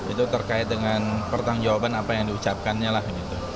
itu terkait dengan pertanggung jawaban apa yang diucapkannya lah gitu